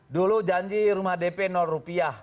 dulu janji rumah dp rupiah